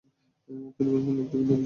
তিনি বুঝলেন, লোকটি ভিনদেশী।